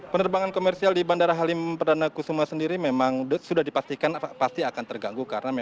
penerbangan komersial di bandara halim perdana kusuma sendiri memang sudah dipastikan pasti akan terganggu